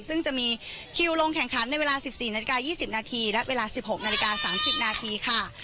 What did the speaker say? ซึ่งจะมีคิวลงแข่งขันในเวลา๑๔น๒๐นและเวลา๑๖น๓๐นค่ะ